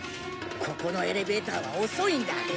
ここのエレベーターは遅いんだ。